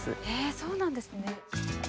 えそうなんですね。